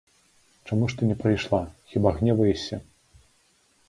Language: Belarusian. Чаму ж ты не прыйшла, хіба гневаешся?